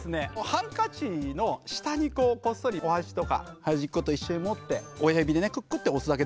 ハンカチの下にこっそりお箸とか端っこと一緒に持って親指でねクックって押すだけでいいです。